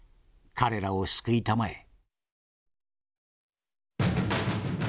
彼らを救いたまえ」。